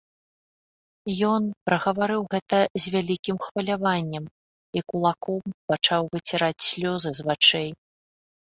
Ён прагаварыў гэта з вялікім хваляваннем і кулаком пачаў выціраць слёзы з вачэй.